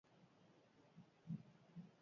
Hiru Sala ezberdinetan banatzen da.